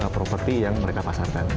properti yang mereka pasarkan